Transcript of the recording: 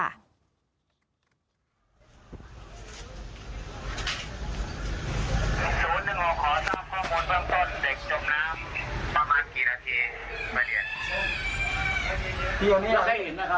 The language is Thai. ศูนย์หนึ่งขอสร้างข้อมูลตั้งต้นเด็กจบน้ำประมาณกี่นาที